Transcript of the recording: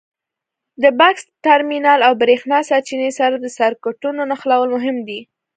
د بکس ټرمینل او برېښنا سرچینې سره د سرکټونو نښلول مهم دي.